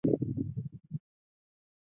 后任横须贺镇守府长。